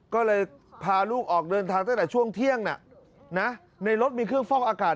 ก็เลยพาลูกออกเดินทางตั้งแต่ช่วงเที่ยงในรถมีเครื่องฟอกอากาศ